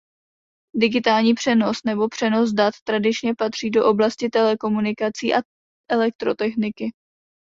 Digitální přenos nebo přenos dat tradičně patří do oblasti telekomunikací a elektrotechniky.